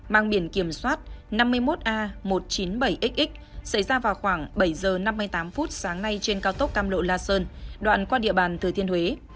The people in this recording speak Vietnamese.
mang biển kiểm soát năm mươi một a một trăm chín mươi bảy xx xảy ra vào khoảng bảy h năm mươi tám phút sáng nay trên cao tốc cam lộ la sơn đoạn qua địa bàn thừa thiên huế